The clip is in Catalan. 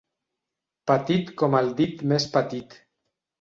Petit com el dit més petit.